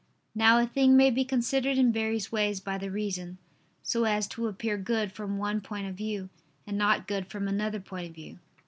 Now a thing may be considered in various ways by the reason, so as to appear good from one point of view, and not good from another point of view.